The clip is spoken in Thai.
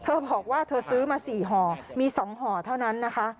เธอบอกว่าเธอซื้อมา๔ห่อมี๒ห่อเท่านั้นนะคะ